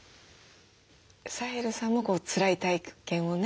サヘルさんもつらい体験をね